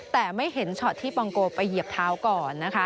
แต่ไม่เห็นช็อตที่ปองโกไปเหยียบเท้าก่อนนะคะ